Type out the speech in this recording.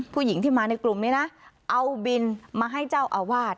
ผู้หญิงที่มาในกลุ่มนี้นะเอาบินมาให้เจ้าอาวาส